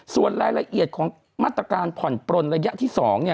ส่วนรายละเอียดของมาตรการผ่อนปลนระยะที่๒